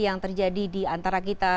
yang terjadi di antara kita